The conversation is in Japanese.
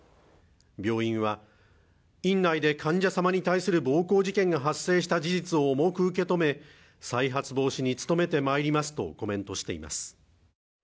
病院は院内で患者様に対する暴行事件が発生した事実を重く受け止め再発防止に努めてまいりますとコメントしています